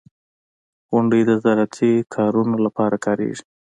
• غونډۍ د زراعتي کارونو لپاره کارېږي.